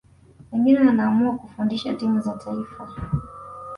wengine wanaamua kufundisha timu za taifa